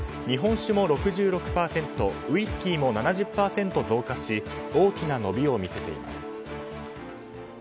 日本酒も６６％ウイスキーも７０％増加し大きな伸びを見せています。